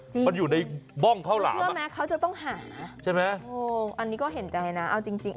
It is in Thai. จริงมันอยู่ในบ้องข้าวหลามอ่ะใช่ไหมโอ้อันนี้ก็เห็นใจนะ